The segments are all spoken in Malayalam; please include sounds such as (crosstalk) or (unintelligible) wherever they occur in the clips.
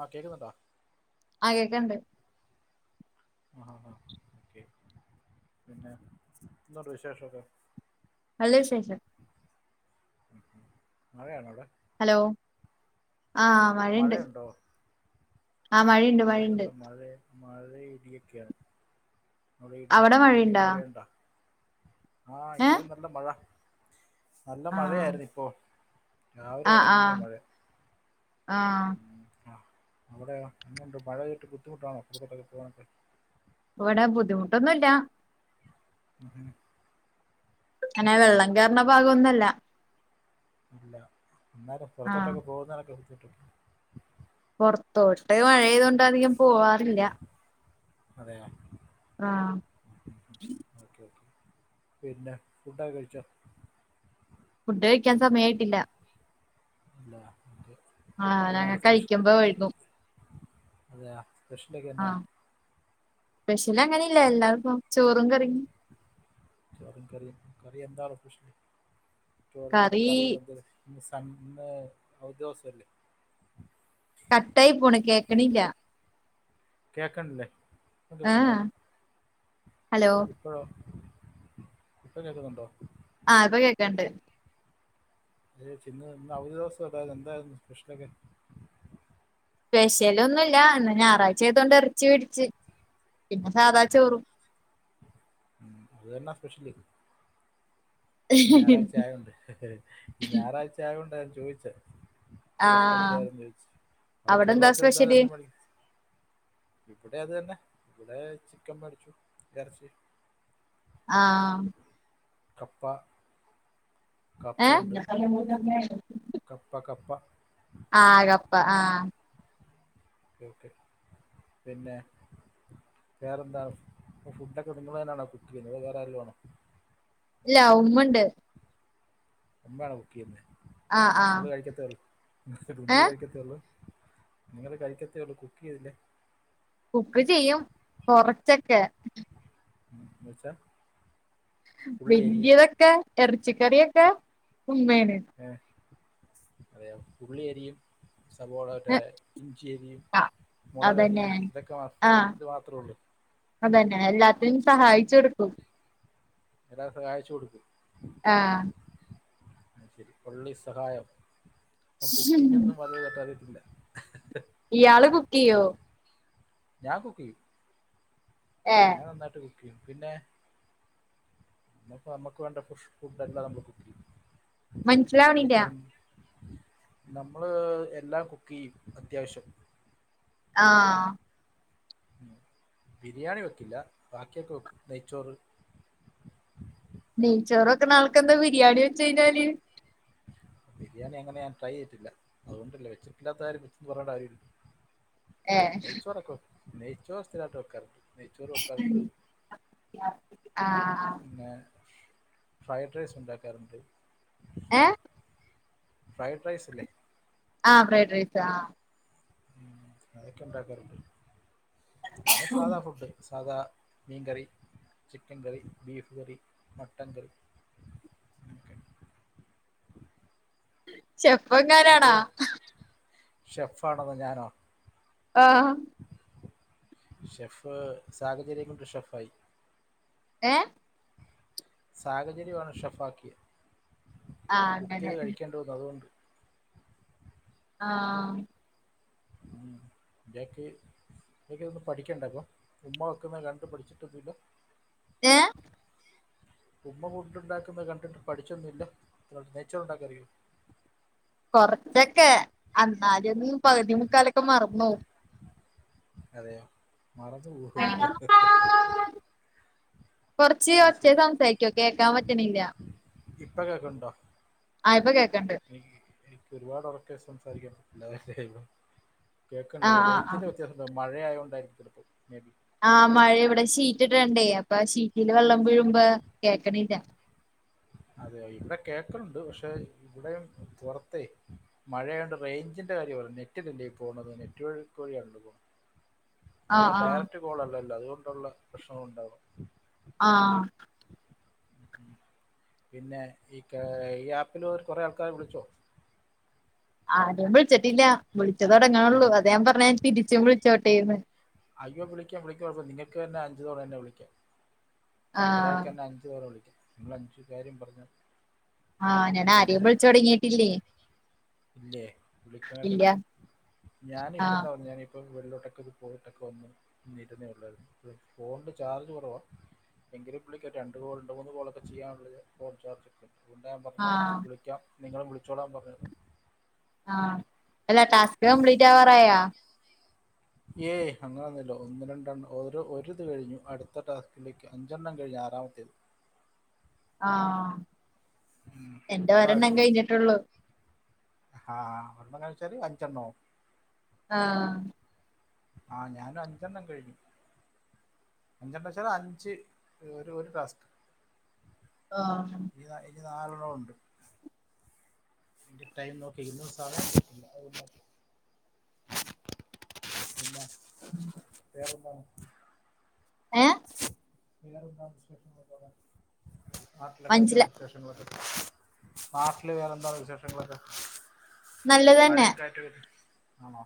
ആഹ് കേക്കുന്നുണ്ടാ ആ കേക്ക്ണ്ട് ആ ആ ഒക്കെ പിന്നെ എന്തുണ്ട് വിശേഷൊക്കെ നല്ല വിശേഷം മഴയാണോ അവിടെ ഹലോ ആ മഴയിണ്ട് മഴയുണ്ടോ ആഹ് മഴയിണ്ട് ഇവിടെ മഴയിണ്ട് നല്ല മഴ മഴ ഇടിയൊക്കെയ മഴയിടി അവിടെ മഴയിണ്ടാ ആഹ് ഏ ഇവിടെ നല്ല മഴ നല്ല ആ മഴയായിരുന്നു ഇപ്പോ രാവിലെ തൊടങ്ങിയ മഴ ആഹ് അവിടെയ എങ്ങനിണ്ട് മഴപെയ്ത് ബുദ്ധിമുട്ടാണോ (unintelligible) ഇവടെ ബുദ്ധിമുട്ടൊന്നുല്ല (inaudible) അങ്ങനെ ഉം. വെള്ളം കേറ്ണ ഭാഗഒന്നല്ല ത്ത ഇല്ല അന്നേരം പുറത്തോട്ടൊക്കെ പോകുന്നോരൊക്കെ (unintelligible) പൊറത്തോട്ട് മഴയായത് കൊണ്ട് അധികം പോവാറില്ല അതെ ആഹ്‌ ഓക്കെ പിന്നെ ഫുഡൊക്കെ കഴിച്ചോ ഫുഡ് കഴിക്കാൻ സമയായിട്ടില്ല ഇല്ലാ എന്തെ ആഹ് ഞങ്ങകഴിക്കുമ്പോ വൈകും അതെയാ സ്പെഷ്യലൊക്കെ എന്താണ് സ്പെഷ്യല് അങ്ങനെയില്ല എല്ലാർക്കും ചോറും കറിയും ചോറും കറിയും കറി എന്താണ് സ്പെഷ്യല് ചോറിന്റെ കൂടെ കറി കറികള് എന്തത് ഇന്ന് സൺ‌ഡേ അവധി ദെവസല്ലേ കട്ടായി പോണ് കേക്കണില്ല കേക്കണ്ല്ലേ ആ അതൊക്കണ്ടൊ ഹലോ ഇപ്പയൊ ഇപ്പ കേക്കുന്നുണ്ടോ ആഹ് ഇപ്പൊ കേക്കണ്ട് ഏയ്‌ ചിന്നു ഇന്ന് അവധി ദെവസ അല്ലാരുന്നോ എന്തായിരുന്നു സ്പെഷ്യലൊക്കെ സ്പെഷ്യലൊന്നുല്ല ഇന്ന് ഞായറാഴ്ച ആയതോണ്ട് എറച്ചി വേടിച്ച് പിന്നെ സാധാ ചോറും ഉം അതുതന്നാ സ്പെഷ്യല് ഞായറാഴ്ച്ച ആയോണ്ട് ഈ ഞായറാഴ്ച്ച ആയോണ്ടെ ചോയിച്ചെ സ്പെഷ്യല് ആഹ് എന്തായിരുന്നുയെന്ന് ചോയിച്ചെ അവിടെ ബാക്കിയുള്ള എന്താ ദെവസം എന്തായാലും സ്പെഷ്യല് അതന്നെ മതി ഇവിടെ അത് തന്നെ ഇവിടെ ചിക്കൻ മേടിച്ചു ഇറച്ചി ആഹ് കപ്പ കപ്പ ഹേ ഉണ്ട് കപ്പ കപ്പ ആഹ് കപ്പ ആഹ് ഓക്കെ ഓക്കെ പിന്നെ വേറെന്താ ഫുഡൊക്കെ നിങ്ങൾ തന്നെയാണോ കുക്ക് ചെയ്യുന്നത് അതോ വേറെ ആരേലും ആണോ ഇല്ല ഉമ്മണ്ട് ഉമ്മയാണോ കുക്ക് ചെയ്യുന്നേ ആഹ് ആഹ് നമ്മള് കഴിക്കത്തെയുള്ളു നിങ്ങള് ഏഹ് കഴിക്കത്തെയുള്ളു നിങ്ങള് കഴിക്കത്തേ ഉള്ളൂ കുക്ക് ചെയ്തില്ലേ കുക്ക് ചെയ്യും കൊറച്ചൊക്കെ (unintelligible) ഉള്ളി അരിയും വലിയതൊക്കെ എറ ചിക്കറിയെക്കെ ഉ മേന അതെയം ഉള്ളിയരിയും സബോള അവരെ ഇഞ്ചിരിയും ആഹ് അതന്നെ മുളകരിയും ഇതൊക്കെ മാ ആഹ് ഇത് മാത്രേ ഉള്ള് ചെട്കകും എല്ലാ സഹായിച്ചു കൊടുക്കും ആഹ് ശെരി പള്ളി സഹായം അപ്പ കുക്കിംഗ ഒന്നും വ കേട്ടാറിയിട്ടില്ല (unintelligible) ഇയാള് കുക്കിയോ ഞാൻ കുക്കിയു ഏഹ് ഞാൻ നന്നായിട്ട് പിന്നെ നമ്മ നമ്മക്ക് വേണ്ട് ഫുഡ് എ നമ്മള് കുക്ക് ചെയ്യും. മനസ്സിലാവ്ണില്ലാ നമ്മള് എല്ലാം കുക്ക് ചെയ്യും അത്യാവശ്യം ആഹ് ഉ ബിരിയാണി വെക്കില്ല ബാക്കിയൊക്കെ വെക്കും നെയ്ച്ചോറ് നെയ്ച്ചോറൊക്കെ നാൾക്കെന്താ ബിരിയാണി വെച്ച് കഴിഞ്ഞാല് ബിരിയാണി അങ്ങനെ ഞാൻ ട്രൈ ചെയ്ട്ടില്ല അതുകൊണ്ടല്ലേ വെച്ചിട്ടില്ലാത്ത കാര്യ പിച്ചന്ന് പറേണ്ട കാര്യമില്ലല്ലോ ഏഹ് യിചോറെക്കെ വെക്ക് നെയ്ച്ചോ സ്ഥിരട്ട് വെക്കാറില നെയ്ച്ചോറ് വെക്കാറുണ്ട് ആഹ പിന്നെ ഫ്രൈഡ് റൈസ് ഉണ്ടാക്കാറ്ണ്ട് ഏഹ് ഫ്രൈഡ് റൈസ് അല്ലേ ആഹ ഫ്രൈഡ് റൈസ് ആ ഉ അതൊക്കെ ഉണ്ടാക്കാറണ്ട് പിന്നെ സാധാ ഫുഡ് സദാ മീൻ കറി ചിക്കൻ കറി ബീഫ് കറി മട്ടൻ കറിക്കെ ഉ (unintelligible) ചെപ്പ എങ്ങാനാണ് ഷെഫ് ആണെന്നോ ഞാനോ ആഹ് ഷെഫ് സാഹചര്യകൊണ്ട് ഷെഫായി ഏ സാഹചര്യമാണ് ഷഫാക്കിയേ ആഹ് ബുക്ക് അങ്ങനെ ചെയ്ത് കഴികണ്ട് അതുകൊണ്ട് ആഹ് ഉം ഇയാക്ക് ഇതൊന്നും പഠിക്കണ്ടപ്പം ഉമ്മ വെക്കുന്ന കണ്ട് പഠിച്ചിട്ടോന്നുല്ല ഏഹ് ഉമ്മ ഫുഡ് ഉണ്ടാക്കുന്നത് കണ്ടിട്ട് പഠിച്ചൊന്നുല്ല നെയ്ച്ചോർ ഉണ്ടാക്കാനറിയോ കൊറച്ചൊക്കെ അന്നാലൊന്നും പകുതി മുക്കാലൊക്കെ മറന്നോവും അതെയോ മറന്ന് പോവോ ആഹ് കൊറച്ച് അത് ഒച്ചേ ശരി സംസാരിക്കോ കേക്കാൻ പറ്റണില്ല ഇപ്പ കേക്കണുണ്ടോ ആ ഇപ്പൊ കേക്കണ്ട് ഒരുപാട് ഒറക്കെ സംസാരിക്കാൻ (unintelligible) കേക്കണ്ട് ഇവിടെ ആഹ് ആഹ് റേയ്ഞ്ചിന്റെ ആഹ് വത്യാസം ഉണ്ടാവും മഴയായൊകൊണ്ടായിരിക്കും ആ മഴ ഇവിടെ ഷീറ്റിട്ടണ്ടേ അപ്പൊ ഷീറ്റിന്ന് വെള്ളം വീഴുമ്പോ കേക്കണില്ല അതേ ഇവിടെ കേൾക്കണുണ്ട് പക്ഷെ ഇവിടെ പുറത്തേ മഴയൊണ്ട് റേഞ്ചിന്റെ കാര്യവാണ് നെറ്റിലല്ലെ പോണത് നെറ്റ് വർ‌ക്ക് വഴിയാണല്ലൊ പോ ആഹ് നമ്മടെ ആഹ് ഡയറക്ട് കോളല്ലല്ലൊ ല്ല അതുകൊണ്ടുള്ള പ്രശ്നങ്ങളുണ്ടാവും ആ പിന്നെ ഈ കെ ഈ ആപ്പില് ഒരു കൊറേ ആൾക്കാരെ വിളിച്ചോ ആരും വിളി ച്ചിട്ടില്ല വിളിച്ച തുടങ്ങാണുള്ളൂ അതെ. അതാ ഞാൻ പറഞ്ഞെ തിരിച്ചു വിളിച്ച ച്ചോട്ടേന്ന് അയ്യോ വിളിക്കാം വിളിക്ക് കൊഴപ്പവില്ല നിങ്ങക്ക് തന്നെ അഞ്ചു തവണ എന്നെ വിളിക്കാം ആഹ് ഒരാൾക്കെന്നെ അഞ്ച് തവണ വിളിക്കാം നമ്മളഞ്ച് കാര്യം പറഞ്ഞാ മതി ആഹ് ഞാൻ ആരെയും പിന്നെ വിളിച്ചു തൊടങ്ങിയിട്ടില്ലേ ഇല്ലേ വിളിക്കണല്ലോ ഇല്ല ഞാനിപ്പ ആഹ് പറഞ്ഞെതെ (inaudible) നൊക്കെ ഒന്ന് നിരുന്നേ ഉള്ളായിരുന്നു ഫോണി്ല് ചാർജ് കുറവാണ എങ്കിലും വിളിക്കട്ടെ രണ്ട് മൂന്ന് കോളൊക്കെ ചെയ്യാനുള്ളത് ഫോൺ ചാർജൊണ്ട് അതുകൊണ്ട ഞാൻ പറഞ്ഞെ ആഹ് വിളിക്കാം നിങ്ങളും വിളിച്ചോളാൻ പറഞ്ഞത് ആഹ് എല്ലാ ടാസ്ക് ഇത് കംപ്ലിറ്റ് ആവാറായോ ഏയ് അങ്ങനൊന്നൂല്ല ഒന്ന് രണ്ടെണ്ണം ഒരിത് കഴിഞ്ഞു അടുത്ത ടാസ്കിലേക്ക് അഞ്ചണ്ണം കഴിഞ്ഞ് ആറാമത്തേത് ആഹ് എന്റെ ഒരെണ്ണം കഴിഞ്ഞിട്ടൊള്ളൂ ആഹ് നമ്മ കള്ച്ചാല് അഞ്ചണ്ണാവും ആഹ് ആഹ് ഞാനൊരഞ്ചെണ്ണം കഴിഞ്ഞു അഞ്ചെണ്ണം വെച്ചാല് അഞ്ച് ഒരു ക്ലാസ്റ്റ് ആഹ് ഇനി ഇനി നാലെണ്ണമൊണ്ട് ന്റെ ടൈം നോക്കി സാ അ ഉ ഏഹ് (unintelligible) വേറെന്താണ് മഞ്ചില ആട്ടക്കുറ്റേഷൻ വ (unintelligible) നാട്ടില് വേറെന്താ വിശേഷങ്ങളൊക്കെ നല്ലത് തന്നെ മഴേം കാറ്റൊകെ ആണോ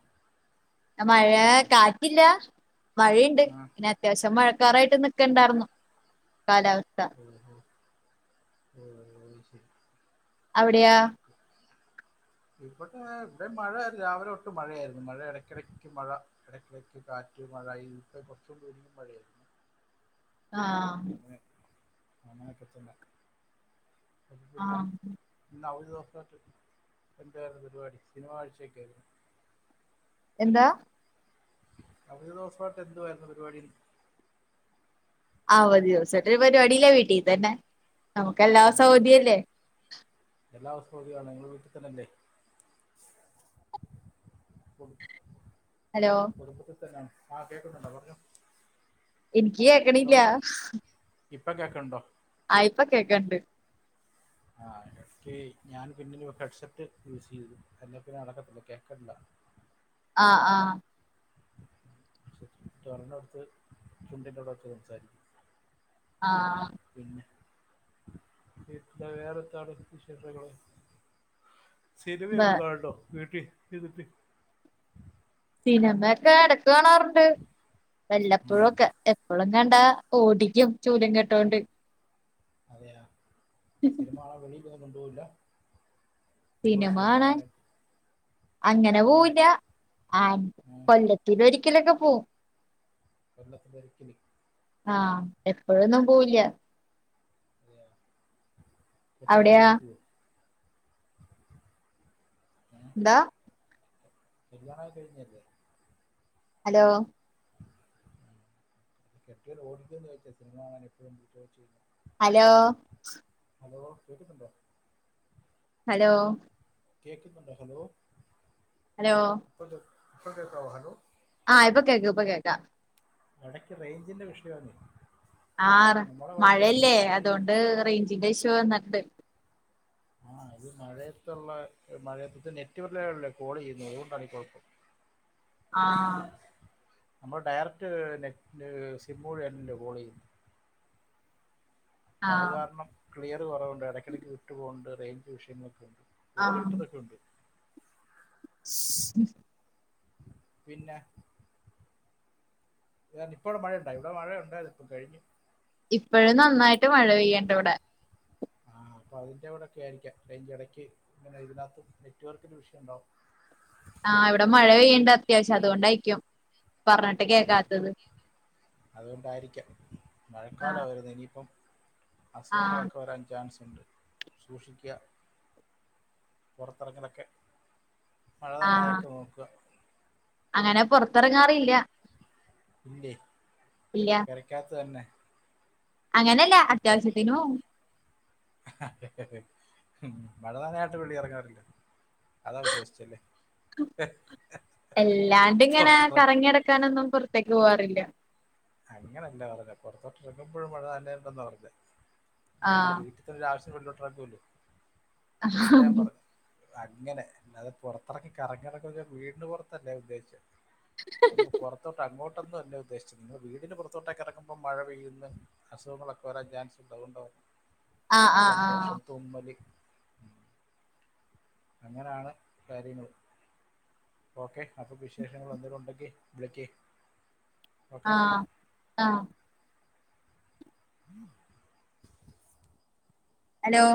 മഴ അത് ശരി കാറ്റില്ല മഴയ്ണ്ട് ആ പിന്നെ അത്യാവശ്യം മഴ ക്കറായിട്ട് നിക്ക്ണ്ടാർന്നു കാലാവസ്ഥ ഉം അവിടെയാ ഇവിടെ ഇവിടെ മഴ രാവിലെ. തൊട്ട് മഴയായിരുന്നു മഴ ഇടക്കിടക്ക് മഴ ഇടക്കിടക്ക് കാറ്റ് മഴ ഇപ്പ കൊറച്ചു മുമ്പ് മഴയായിരുന്നു അ ആ ഒക്കത്തില്ല പിന്നെ ആഹ് ഇന്ന ഒരു ദിവസായിട്ട് എന്റെ പരിപാടി സിനിമ കാഴ്ചൊക്കൊയിരുന്നു എന്താ കഴിഞ്ഞ ദിവസവായിട്ട് എന്തുവായിരുന്നു പരിപാടിന്ന് അവധി ദിവസായിട്ടൊരു പരിപാടില്ല വീട്ടീ തന്നെ നമുക്ക് എല്ലാം ഉം സൗദിയല്ലേ എല്ലാ ദിവസവും അവതികാണ് നിങ്ങള് വീട്ടിൽ തന്നെല്ലേ ഹലോ കുടുംബത്തി തന്നാണ് ആ കേക്ക്ന്നുണ്ടോ പറഞ്ഞാേ എനിക്ക് കേക്കണില്ല ഇപ്പൊ കേക്കെണ്ടോ ഇപ്പ കേക്കണ്ട് ആ എനിക്ക് ഞാൻ പിന്നേം ഹെഡ്സെറ്റ് യൂസ് ചെയ്തു അ പിന്നെ നടക്കത്തില്ല കേക്കല്ല ആ ആ ചോറിൻടുത്ത് ചുണ്ടിൻന്റെ അവ്ടെ വെച്ച് സംസാരിക്ക് ആ ഇത്ത വേറെ എന്താണ് വിശേഷങ്ങള് സിനിമയോക്കെ കാണണ്ടോ കേട്ടെ ഇട്ടെ (unintelligible) സിനിമക്കെ എടേക് കാണാറുണ്ട് ഉം. വല്ലപ്പോഴഒക്കെ എപ്പളൊന്നും കണ്ടാ ഓടിക്കിയും ചൂലും കെട്ടോണ്ട് അതെയ സിനിമ കാണാല പണി (inaudible) കോണ്ടോല്ലാ സിനിമകാണാൻ അങ്ങനെ പോവില്ല ആ കോല്ലത്തിലോരി ക്കലോക്കെ പോവും കോല്ലത്തിൽ ഒരിക്കൽ ആ എപ്പോയോന്നും പോവില്ല കെട്ടിയോനെ അവിടെയാ ഓടിക്കുവോ എന്താ കല്ലിയാണം ഒക്കെ കഴിഞ്ഞല്ലേ ഹലോ കെട്ടിയോൻ ഓടികോന്ന് ചോയിച്ചെ സിനിമകാണൻ എപ്പോഴും ചോദിച്ച ഹലോ ഹലോ കേക്ന്നുണ്ട (inaudible) ഹലോ കെക്കുന്നുണ്ടോ ഹലോ ഹലോ ഇപ്പോ കെക്കാവോ ഹലോ ആ ഇപ്പോ കേക്ക് കേക്കാ എടക്ക് റെയിഞ്ചിന്റെ വിഷയാന്നേ ആട മഴയല്ലെ ഇത് ഈ അതുകോണ്ട് റെയിഞ്ചിന്റെ വിഷയ ന്നട്ട് (unintelligible) ആ അത് മഴയത്തുള്ള മഴയത്ത്തെ നെറ്റ്വർലല്ലേ കോൾ ചെയ്യുന്ന അതുകോണ്ടാണ് ഈ കുഴപ്പം ആ നമ്മൾ ഡയറക്റ്റ് നെറ്റ് സിം വഴിന്നല്ലേ (unintelligible) കോൾ ചെയ്യുന്നു അപ്പോ അത് ആഹ് കാരണം ക്ലിയർ കുറവണ്ട്ടക്കിടക്ക് വിട്ട് പോകുന്നുണ്ട് റെയിഞ്ച് വിഷയങ്ങൾക്ക് കോൾ കിട്ട്ന്നോക്കെ ഉണ്ട് ഉം പിന്ന ത (unintelligible) ഇപ്പോ ഇവടെ മഴയുണ്ടായി ഇവിടെ മഴയുണ്ടായിന് ഇപ്പോ കഴിഞ്ഞു ഇപ്പഴും നന്നായിട്ട് മഴ പെയ്യൻഡ്‌ ഇവിടെ ആ അപ്പൊ അതിന്റെ ഇവിടെക്കെ ആയിരിക്കാം എനിക്ക് ഇടക്ക് ഇങ്ങനെ ഇതിനകത്തും നെറ്റ്‌വർക്കിന്റെ വിഷയം ഉണ്ടാവും ആഹ് ഇവിടെ മഴ പെയ്യേണ്ട അത്യാവശ്യം അതുകൊണ്ടായിരിക്കും പറഞ്ഞിട്ട് കേക്കാത്തത് അതുകൊണ്ടായിരിക്കാം മഴക്കാല വരുന്നു ഇനിയിപ്പം ആഹ് അസുഖങ്ങളൊക്കെ വരാൻ ചാൻസ് സൂക്ഷിക്കുക, പുറത്തിറങ്ങലൊക്കെ. ആഹ് മഴനനയാതൊക്കെ നോക്കുവാ അങ്ങനെ പുറത്തിറങ്ങാറില്ല ഇല്ലേ ഇല്ല പെരക്കാത്ത് തന്നെ അങ്ങനെയല്ല പെര- അത്യാവശ്യത്തിനു പോകും. മഴ നനയാനാട്ട് വെളിയിൽ ഇറങ്ങാറില്ല. അതാ ഉദ്ദേശിച്ചല്ലേ എല്ലാണ്ട്ങ്ങനെ പുറത്തിറങ്ങി കറങ്ങി നടക്കാനൊന്നും പുറത് ത്തേക്ക് പോവാറില്ല. അങ്ങനല്ല പറഞ്ഞേ, പുറത്തോട്ട് ഇറങ്ങുമ്പോഴും മഴ നനയേണ്ടന്നാ പറഞ്ഞേ. നിങ്ങള് ആഹ് വീട്ടിൽത്തൊരു ആവശ്യത് വെളിലോട്ട് ഇറങ്ങുമല്ലോ ആഹ അതുകൊണ്ട് ഞാൻ പറഞ്ഞു അങ്ങനെ, അല്ലാതെ പുറത്തിറങ്ങി കറങ്ങി നടക്കും വെച്ചാ വീടിന് പുറത്തല്ല ഞാൻ ഉദ്ദേശിച്ചെ. അങ്ങ് പുറത്തോട്ട് അങ്ങോട്ട് ട്ടന്നുമല്ല ഉദ്ദേശിച്ചത്. നിങ്ങളെ വീടിന് പുറത്തോട്ടേക്ക് ഇറങ്ങുക്കുമ്പോ, മഴ പെയ്യുന്ന അസുഖങ്ങളൊക്കെ വരാൻ ചാൻസ് ഉണ്ട് അതുകൊണ്ട് പറഞ്ഞെ. ആഹ് ആഹ് ആഹ് ജലദോഷം തുമ്മല് അങ്ങനെയാണ് കാര്യങ്ങൾ, ഓക്കേ അപ്പൊ വിശേഷങ്ങൾ എന്തേങ്കിലും ഉണ്ടെങ്കിൽ വിളിക്ക്. ആഹ് ആഹ് ആഹ് ഹലോ